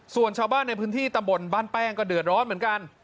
ส่วนชาวบ้านในพื้นที่ตำบลบ้านแป้งก็เดือดร้อนเหมือนกัน